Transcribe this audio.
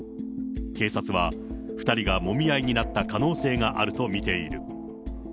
警察は、２人がもみ合いになった可能性があると見ている。